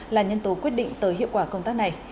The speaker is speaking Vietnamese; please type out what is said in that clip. là nhân tố quyết định tới hiệu quả công tác này